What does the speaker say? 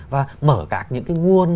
và mở các những cái nguồn